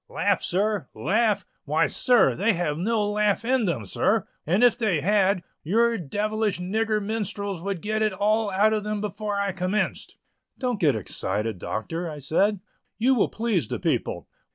"Laugh, sir, laugh! why, sir, they have no laugh in them, sir; and if they had, your devilish nigger minstrels would get it all out of them before I commenced." "Don't get excited, Doctor," I said; "you will please the people."